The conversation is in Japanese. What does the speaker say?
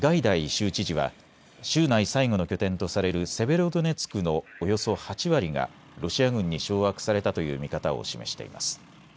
州知事は州内最後の拠点とされるセベロドネツクのおよそ８割がロシア軍に掌握されたという見方を示しています。